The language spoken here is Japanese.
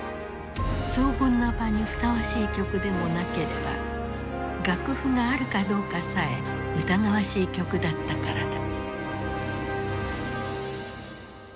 荘厳な場にふさわしい曲でもなければ楽譜があるかどうかさえ疑わしい曲だったからだ。